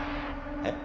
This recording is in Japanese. えっ？